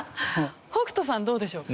北斗さんどうでしょう？